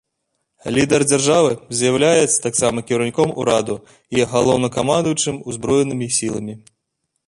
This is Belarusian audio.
Лідар дзяржавы з'яўляецца таксама кіраўніком ураду і галоўнакамандуючым узброенымі сіламі.